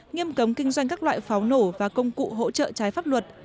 nghiêm cấm kinh doanh các loại pháo nổ và công cụ hỗ trợ trái pháp luật